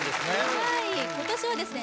はい今年はですね